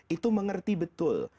itu mengerti betul